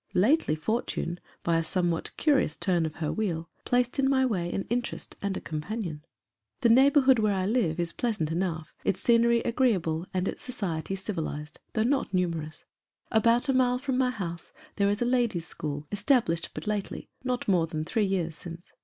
Lately Fortune, by a some what curious turn of her wheel, placed in my way an interest and a companion. (245) 246 EMMA. The neighborhood where I live is pleasant enough, its scenery agreeable, and its society civilized, though not numerous. About a mile from my house there is a ladies' school, established but lately not more than three years since.